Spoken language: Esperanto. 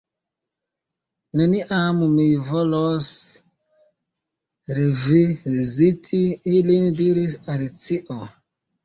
"Neniam mi volos reviziti ilin " diris Alicio.